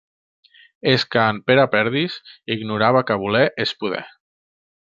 És que en Pere Perdis ignorava que voler és poder.